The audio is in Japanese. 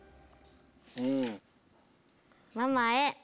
「ママへ。